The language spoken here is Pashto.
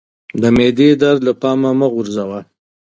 د معدې درد له پامه مه غورځوه